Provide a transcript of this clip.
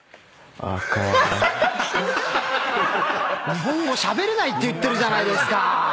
日本語しゃべれないって言ってるじゃないですか！